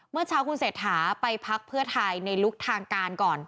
เมื่อเช้าคุณเศรษฐาไปพักเพื่อไทยในลุคทางการก่อน